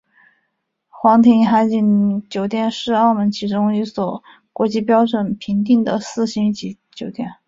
皇庭海景酒店是澳门其中一所国际标准评定的四星级酒店。